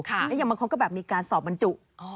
แล้วอย่างบางคนก็แบบมีการสอบบรรจุ